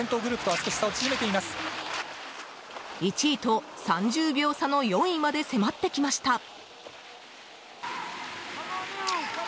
１位と３０秒差の４位まで迫ってきました。